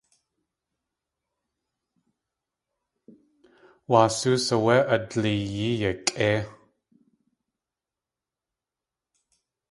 Wasóos áwé a dleeyí yakʼéi.